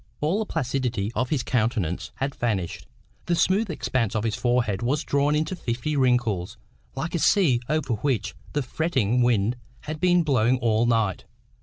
All the placidity of his countenance had vanished. The smooth expanse of his forehead was drawn into fifty wrinkles, like a sea over which the fretting wind has been blowing all night.